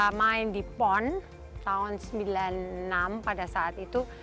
saya main di pon tahun seribu sembilan ratus sembilan puluh enam pada saat itu